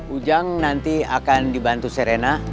ujang nanti akan dibantu serena